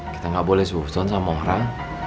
kita gak boleh sebut butan sama orang